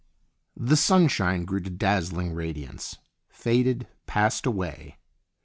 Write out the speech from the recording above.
... The sunshine grew to dazzling radiance, faded, passed away.